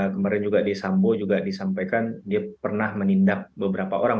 kemarin juga di sambo juga disampaikan dia pernah menindak beberapa orang